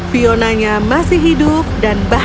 fionanya masih hidup dan bahagia